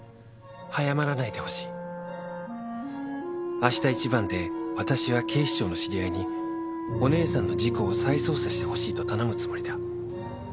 「明日一番で私は警視庁の知り合いにお姉さんの事故を再捜査してほしいと頼むつもりだ」